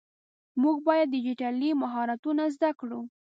مونږ باید ډيجيټلي مهارتونه زده کړو.